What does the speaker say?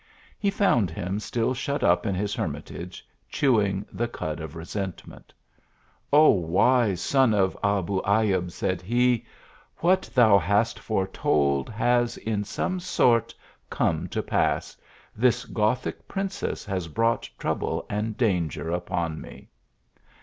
He found him still shut up in his hermitage, chewing the cud of resentment. " O wise son of Abu Ayub," said he, " what thou hast foretold, has, in some sort, come to pass. This Gothic princess ht\3 brought trouble and danger upon me."